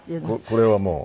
これはもう。